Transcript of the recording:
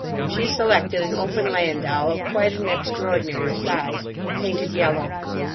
She selected an open landau of quite an extraordinary size, painted yellow.